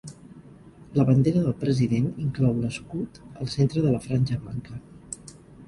La bandera del President inclou l'escut al centre de la franja blanca.